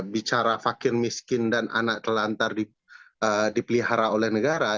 bicara fakir miskin dan anak telantar dipelihara oleh negara